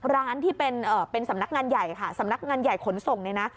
ร้านที่เป็นสำนักงานใหญ่ค่ะสำนักงานใหญ่ขนส่งเนี่ยนะ